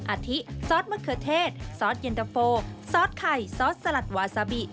อาทิซอสมะเขือเทศซอสเย็นตะโฟซอสไข่ซอสสลัดวาซาบิ